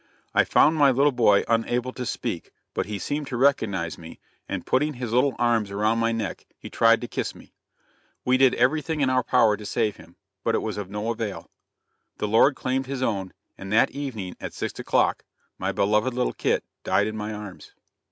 I found my little boy unable to speak but he seemed to recognize me and putting his little arms around my neck he tried to kiss me. We did everything in our power to save him, but it was of no avail. The Lord claimed his own, and that evening at six o'clock my beloved little Kit died in my arms.